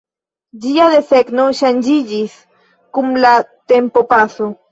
Ĝia desegno ŝanĝiĝis kun la tempopaso.